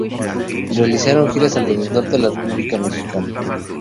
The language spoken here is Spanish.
Realizaron giras alrededor de la República Mexicana.